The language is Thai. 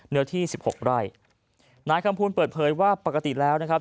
เนื้อที่สิบหกไร่นายคำพูนเปิดเผยว่าปกติแล้วนะครับ